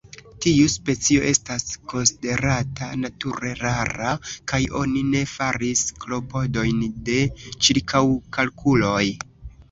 Tiu specio estas konsiderata nature rara, kaj oni ne faris klopodojn de ĉirkaŭkalkuloj.